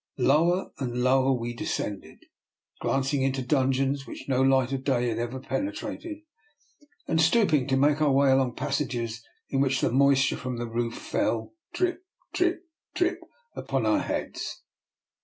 Lower and lower we descended, glancing into dun geons into which no light of day had ever penetrated, and stooping to make our way along passages in which the moisture from the roof fell drip, drip, drip, upon our heads.